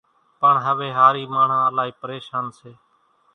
پڻ هويَ هارِي ماڻۿان الائِي پريشانَ سي۔